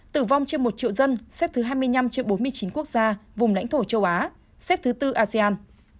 tử vong trên một triệu dân xếp thứ hai mươi năm trên bốn mươi chín quốc gia vùng lãnh thổ châu á xếp thứ tư asean